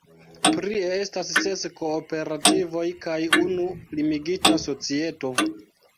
Prie estas ses kooperativoj kaj unu limigita societo.